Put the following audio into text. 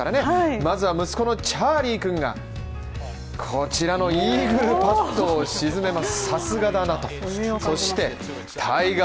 まずは息子のチャーリーくんがこちらのイーグルパットを沈めます